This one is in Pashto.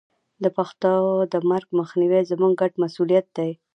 د پښتو د مرګ مخنیوی زموږ ګډ مسوولیت دی.